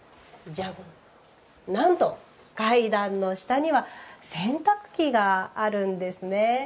なんと、階段の下には洗濯機があるんですね。